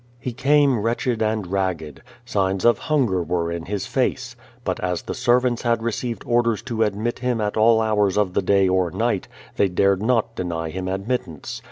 lie came wretched and ragge<l. Signs of hunger were in his face. But as the servants had received orders to admit liim at all hours of the day or night, they dared not deny him admittance.